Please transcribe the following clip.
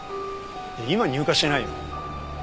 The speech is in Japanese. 今入荷してないよ。